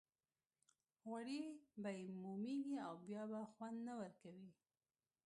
غوړي به یې مومېږي او بیا به خوند نه ورکوي.